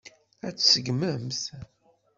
Ad t-tseggmemt?